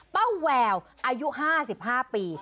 ป้าแววอายุ๕๕ปี